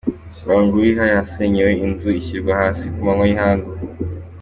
Banguwiha yasenyewe inzu ishyirwa hasi ku manywa y’ihangu